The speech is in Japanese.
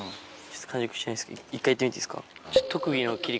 完熟してないですけど一回いってみていいですか。